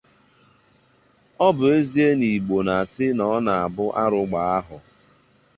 Ọ bụ ezie na Igbo na-sị na ọ na-abụ arụ gbàá ahọ